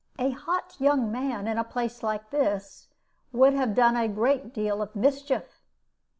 A hot young man, in a place like this, would have done a great deal of mischief.